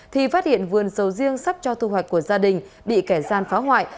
thì phát hiện vườn sầu riêng sắp cho thu hoạch của gia đình bị kẻ gian phá hoại